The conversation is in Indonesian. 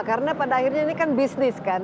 karena pada akhirnya ini kan bisnis kan